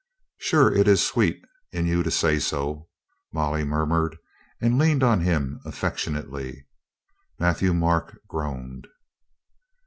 "Sure it is sweet in you to say so," Molly mur mured and leaned on him affectionately. Matthieu Marc groaned.